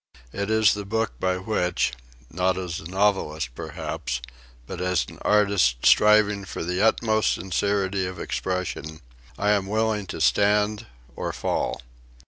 It is the book by which, not as a novelist perhaps, but as an artist striving for the utmost sincerity of expression, I am willing to stand or fall.